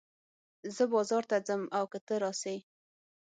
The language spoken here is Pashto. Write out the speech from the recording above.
زه بازار ته ځم که ته راسې